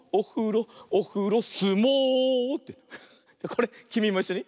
これきみもいっしょに。